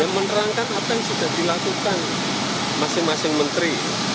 menerangkan apa yang sudah dilakukan masing masing menteri